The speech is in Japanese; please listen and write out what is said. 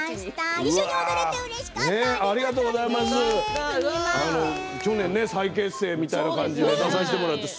一緒に踊れてうれしかったです。